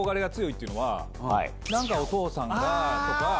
お父さんがとか。